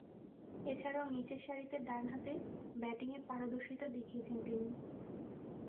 এছাড়াও, নিচেরসারিতে ডানহাতে ব্যাটিংয়ে পারদর্শীতা দেখিয়েছেন তিনি।